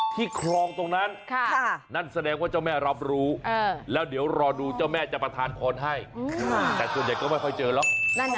ที่คลองตรงนั้นนั่นแสดงว่าเจ้าแม่รับรู้แล้วเดี๋ยวรอดูเจ้าแม่จะประทานพรให้แต่ส่วนใหญ่ก็ไม่ค่อยเจอหรอก